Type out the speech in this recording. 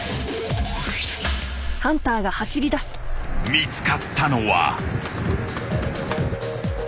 ［見つかったのは］